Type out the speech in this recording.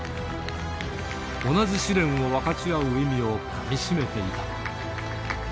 同じ試練を分かち合う意味をかみしめていた。